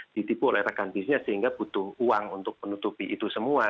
ditipu oleh rekan bisnisnya sehingga butuh uang untuk menutupi itu semua